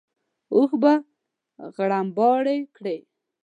اوښ به غرمباړې کړې.